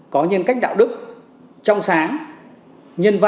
có nhân cách đạo đức trong sáng nhân vật